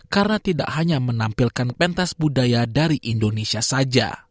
karena tidak hanya menampilkan pentas budaya dari indonesia saja